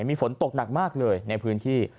มีฝนตกหนักมากเลยในพื้นที่